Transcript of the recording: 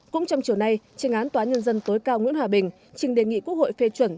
cũng trong chiều nay trình án tòa án nhân dân tối cao nguyễn hòa bình trình đề nghị quốc hội phê chuẩn